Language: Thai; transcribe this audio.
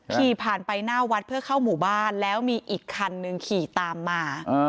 ขี่ผ่านไปหน้าวัดเพื่อเข้าหมู่บ้านแล้วมีอีกคันนึงขี่ตามมา